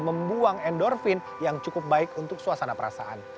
membuang endorfin yang cukup baik untuk suasana perasaan